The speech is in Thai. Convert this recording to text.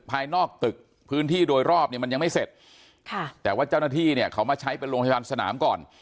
ภายนอกตึกพื้นที่โดยรอบเนี่ยมันยังไม่เสร็จค่ะแต่ว่าเจ้าหน้าที่เนี่ยเขามาใช้เป็นโรงพยาบาลสนามก่อน